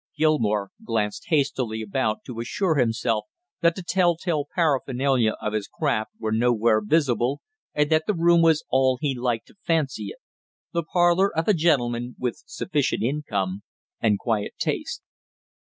Gilmore glanced hastily about to assure himself that the tell tale paraphernalia of his craft were nowhere visible, and that the room was all he liked to fancy it the parlor of a gentleman with sufficient income and quiet taste.